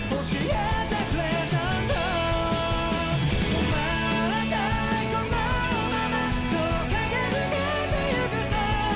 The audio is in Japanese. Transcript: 「止まらないこのままそう駆け抜けて行く共に」